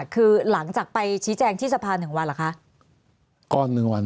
คือหลังจากไปชี้แจงที่สะพาน๑วันเหรอคะ